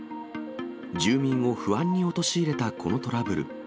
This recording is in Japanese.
住民を不安に陥れたこのトラブル。